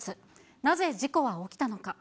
なぜ事故は起きたのか。